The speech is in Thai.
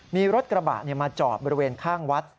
มีรถกระบะมาจอดบริเวณข้างวัด